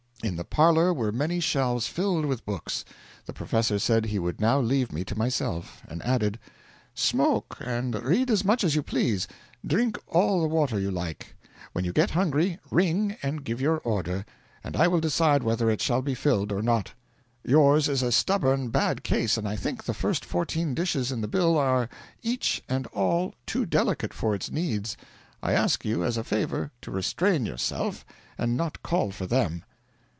In the parlour were many shelves filled with books. The professor said he would now leave me to myself; and added: 'Smoke and read as much as you please, drink all the water you like. When you get hungry, ring and give your order, and I will decide whether it shall be filled or not. Yours is a stubborn, bad case, and I think the first fourteen dishes in the bill are each and all too delicate for its needs. I ask you as a favour to restrain yourself and not call for them.'